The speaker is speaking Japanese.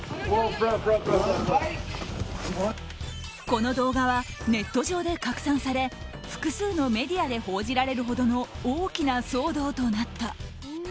この動画は、ネット上で拡散され複数のメディアで報じられるほどの大きな騒動となった。